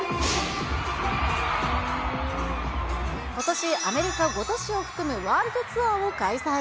ことし、アメリカ５都市を含むワールドツアーを開催。